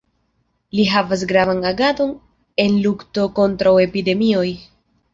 Li havis gravan agadon en lukto kontraŭ epidemioj.